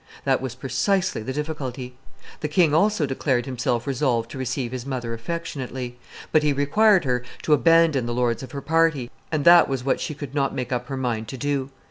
That was precisely the difficulty. The king also declared himself resolved to receive his mother affectionately; but he required her to abandon the lords of her party, and that was what she could not make up her mind to do.